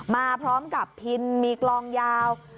มาพร้อมกับพินมีกลองยาว